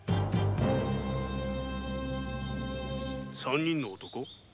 三人の男？